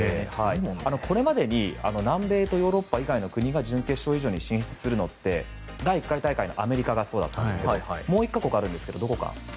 これまでに南米とヨーロッパ以外の国が準決勝以上に進出するのは第１回大会のアメリカがそうだったんですけどもう１か国どこか分かりますか？